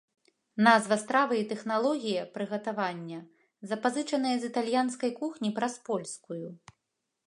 Назва стравы і тэхналогія прыгатавання запазычаныя з італьянскай кухні праз польскую.